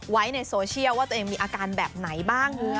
ไว้ในโซเชียลว่าตัวเองมีอาการแบบไหนบ้าง